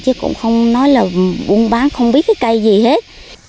chứ cũng không nói là buôn bán không biết cái cây gì hết